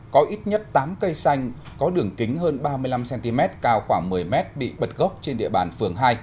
có ít nhất tám cây xanh có đường kính hơn ba mươi năm cm cao khoảng một mươi m bị bật gốc trên địa bàn phường hai